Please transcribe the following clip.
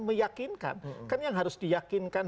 meyakinkan kan yang harus diyakinkan